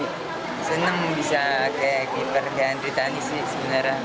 oh senang bisa kayak kipar andri tani sih sebenarnya